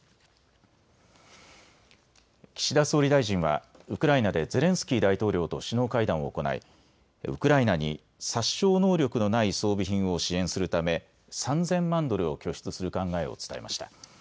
岸田総理大臣はウクライナでゼレンスキー大統領と首脳会談を行いウクライナに殺傷能力のない装備品を支援するため３０００万ドルを拠出する考えを伝えました。